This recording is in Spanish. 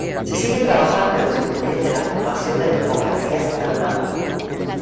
Se sigue trabajando en los detalles de la formación de topografía escalonada.